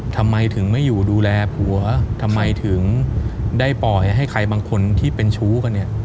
ทำไมถึงไม่อยู่ดูแลผัวทำไมถึงได้ปล่อยให้ใครบางคนที่เป็นชู้กันเนี่ย